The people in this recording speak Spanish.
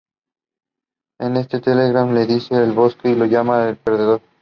En ese telegrama le dice que lo busque y lo llama perdedor.